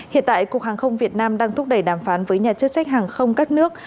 hiện tại cục hàng không việt nam đang thúc đẩy đàm phán với nhà chức trách hàng không các nước